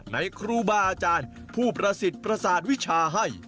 ในครูบาอาจารย์ผู้ประสิทธิ์ประสาทวิชาให้